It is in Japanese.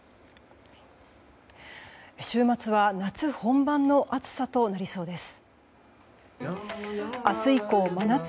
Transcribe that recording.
週末は夏本番の暑さとなりそうです。